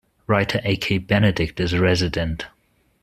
Writer A. K. Benedict is a resident.